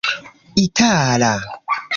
itala